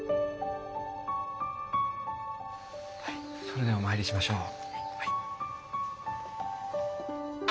それではお参りしましょう。